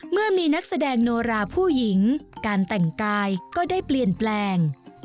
เมื่อมีนักแสดงโนราผู้หญิงการแต่งกายก็ได้เปลี่ยนแปลง